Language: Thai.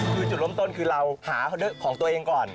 คือจุดเริ่มต้นคือเราหาของตัวเองก่อน